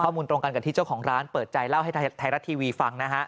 มุมตรงกันกับที่เจ้าของร้านเปิดใจเล่าให้ไทยรัฐทีวีฟังนะฮะ